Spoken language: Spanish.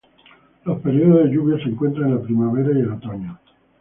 Los periodos de lluvias se encuentran en la primavera y el otoño.